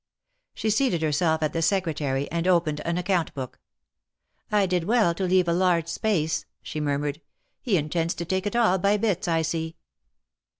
She seated herself at the Secretary, and opened an ac count book. ^'1 did well to leave a large space," she murmured, ^^He intends to take it all by bits, I see."